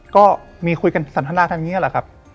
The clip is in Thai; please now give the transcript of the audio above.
ก็มีคุยกันสันทนาทันเงี้ยแหละครับ